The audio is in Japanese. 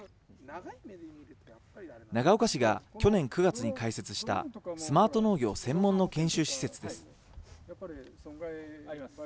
長岡市が去年９月に開設した、スマート農業専門の研修施設です。